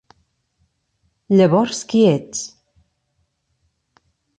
Llavors qui ets?